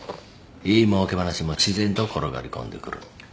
いいもうけ話も自然と転がり込んでくる。